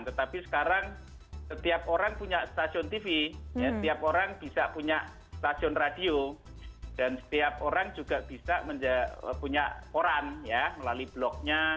tetapi sekarang setiap orang punya stasiun tv setiap orang bisa punya stasiun radio dan setiap orang juga bisa punya koran ya melalui blognya